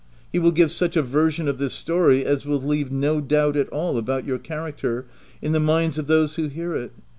He will give such a version of this story as will leave no doubt at all, about your character, in the minds of those who hear it.